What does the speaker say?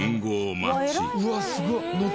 うわすごっ！